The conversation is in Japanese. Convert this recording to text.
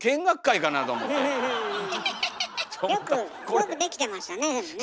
よくできてましたねでもね。